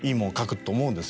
と思うんですよ